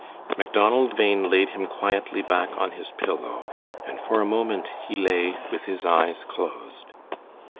Macdonald Bhain laid him quietly back on his pillow, and for a moment he lay with his eyes closed.